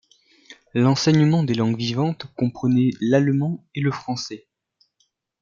L'enseignement des langues vivantes comprenait l'allemand et le français.